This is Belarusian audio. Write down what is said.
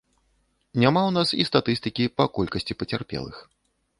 Няма ў нас і статыстыкі па колькасці пацярпелых.